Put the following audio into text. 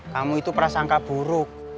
kamu itu prasangka buruk